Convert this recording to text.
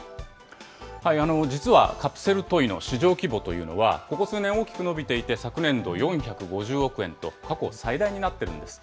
実はカプセルトイの市場規模というのはここ数年、大きく伸びていて、昨年度４５０億円と過去最大になってるんです。